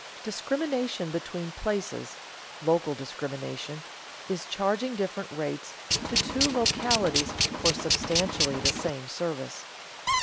_Discrimination between places (local discrimination) is charging different rates to two localities for substantially the same service.